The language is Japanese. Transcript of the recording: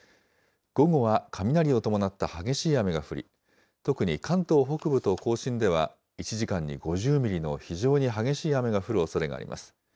午後は雷を伴った激しい雨が降り、特に関東北部と甲信では、１時間に５０ミリの非常に激しい雨が降るおそれがあります。